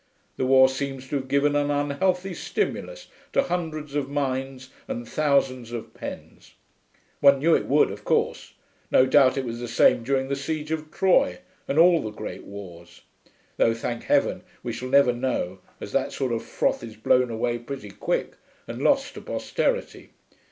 The war seems to have given an unhealthy stimulus to hundreds of minds and thousands of pens. One knew it would, of course. No doubt it was the same during the siege of Troy, and all the great wars. Though, thank heaven, we shall never know, as that sort of froth is blown away pretty quick and lost to posterity.